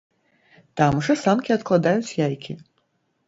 Там жа самкі адкладаюць яйкі.